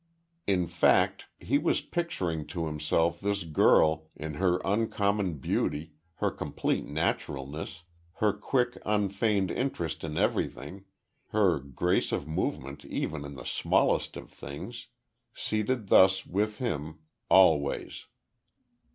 In fact, he was picturing to himself this girl, in her uncommon beauty, her complete naturalness, her quick, unfeigned interest in everything, her grace of movement even in the smallest of things seated thus with him always.